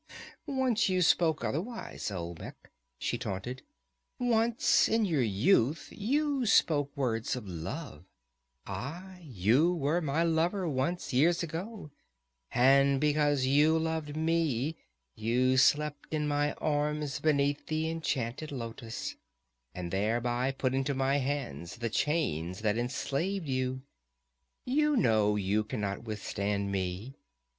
"Once you spoke otherwise, Olmec," she taunted. "Once, in your youth, you spoke words of love. Aye, you were my lover once, years ago, and because you loved me, you slept in my arms beneath the enchanted lotus and thereby put into my hands the chains that enslaved you. You know you cannot withstand me.